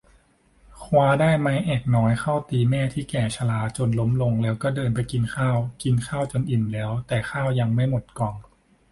คว้าได้ไม้แอกน้อยเข้าตีแม่ที่แก่ชราจนล้มลงแล้วก็เดินไปกินข้าว กินข้าวจนอิ่มแล้วแต่ข้าวยังไม่หมดกล่อง